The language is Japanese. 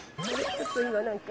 ちょっと今何か。